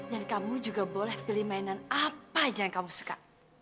dan kamu juga boleh pilih mainan apa saja yang kamu suka